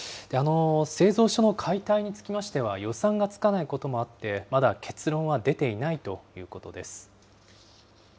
製造所の解体につきましては予算がつかないこともあって、まだ結論は出ていないということです。